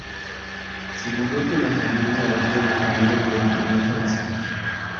Se mudó con su familia a Río de Janeiro durante la infancia.